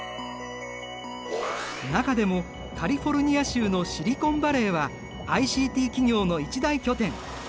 中でもカリフォルニア州のシリコンヴァレーはＩＣＴ企業の一大拠点。